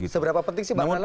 seberapa penting sih masalahnya